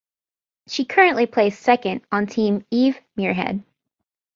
She currently plays second on Team Eve Muirhead.